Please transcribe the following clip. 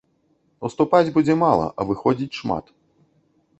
Уступаць будзе мала, а выходзіць шмат.